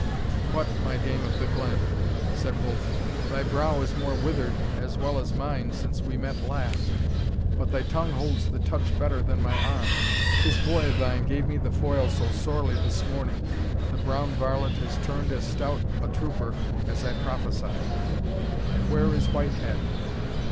"What, my Dame of the Glen!" said Bolton, "thy brow is more withered, as well as mine, since we met last, but thy tongue holds the touch better than my arm. This boy of thine gave me the foil sorely this morning. The Brown Varlet has turned as stout a trooper as I prophesied; and where is White Head?"